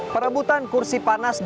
pembuatan kursi panas dki satu